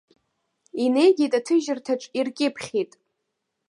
Инеигеит аҭыжьырҭаҿ, иркьыԥхьит.